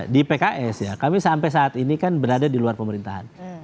di pks ya kami sampai saat ini kan berada di luar pemerintahan